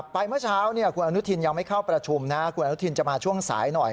เมื่อเช้าคุณอนุทินยังไม่เข้าประชุมนะคุณอนุทินจะมาช่วงสายหน่อย